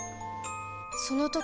その時